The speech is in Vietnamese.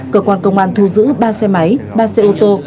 cơ quan công an thu giữ ba xe máy ba xe ô tô